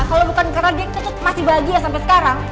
kalau bukan karena dia tetap masih bahagia sampai sekarang